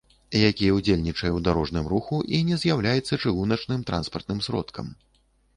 Які ўдзельнічае ў дарожным руху і не з'яўляецца чыгуначным транспартным сродкам